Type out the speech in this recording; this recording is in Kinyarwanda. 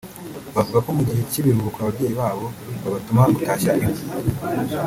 bavuga ko mu gihe cy’ibiruhuko ababyeyi babo babatuma gutashya inkwi